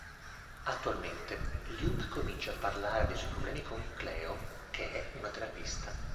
Attualmente, Luke comincia a parlare dei suoi problemi con Cleo, che è una terapista.